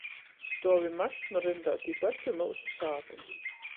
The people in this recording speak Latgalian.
Stuovim mašynu ryndā tīpat pi myusu sātys.